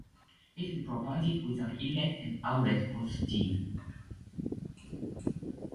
It is provided with an inlet and outlet for the steam.